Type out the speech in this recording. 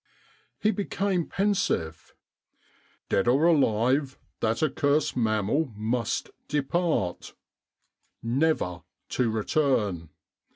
He became pen sive. " Dead or alive that accursed mam mal must depart, never to return.